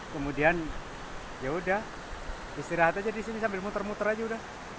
kemudian yaudah istirahat aja di sini sambil muter muter aja udah